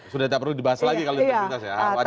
sudah tidak perlu dibahas lagi kalau integritas ya